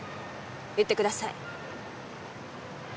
言ってください。